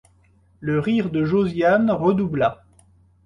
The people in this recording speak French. Le rire de Josiane redoubla.